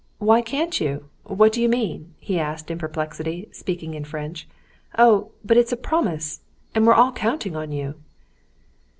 "Why can't you? What do you mean?" he asked in perplexity, speaking in French. "Oh, but it's a promise. And we're all counting on you."